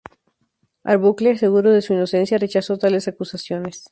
Arbuckle, seguro de su inocencia, rechazó tales acusaciones.